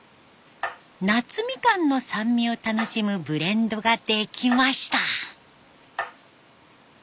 夏みかんの酸味を楽しむブレンドができました。